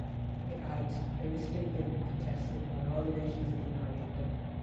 It had previously been contested by all the nations of the United Kingdom.